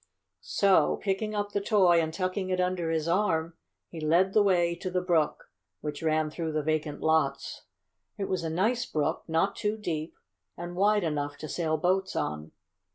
So, picking up the toy and tucking it under his arm, he led the way to the brook, which ran through the vacant lots. It was a nice brook, not too deep, and wide enough to sail boats on.